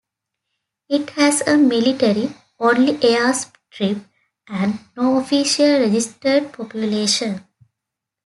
It has a military-only airstrip and no official registered population.